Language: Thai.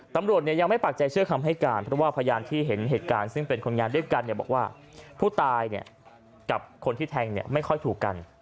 ตำรวจยังไม่ปากใจเชื่อคำให้การเพราะว่าพยานที่เห็นเหตุการณ์ซึ่งเป็นคนงานด้วยกันบอกว่าผู้ตายกับคนที่แทงไม่ค่อยถูกกัน